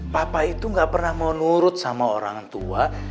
papa itu gak pernah mau nurut sama orang tua